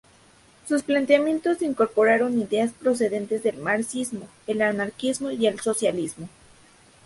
Sus planteamientos incorporaron ideas procedentes del marxismo, el anarquismo y el socialismo.